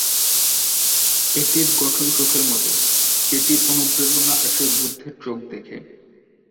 এটির গঠন চোখের মতো, যেটির অনুপ্রেরণা আসে 'বুদ্ধের চোখ' দেখে।